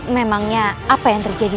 memangnya apa yang terjadi